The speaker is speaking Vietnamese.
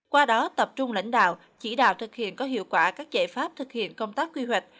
qua đó tập trung lãnh đạo chỉ đạo thực hiện có hiệu quả các giải pháp thực hiện công tác quy hoạch